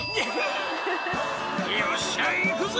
「よっしゃ行くぜ！」